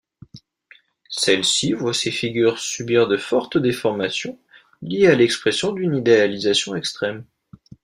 Celle-ci voit ses figures subir de fortes déformations liées à l'expression d'une idéalisation extrême.